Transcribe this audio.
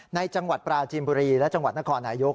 ในจังหวัดปราจีนบุรีและจังหวัดนครนายก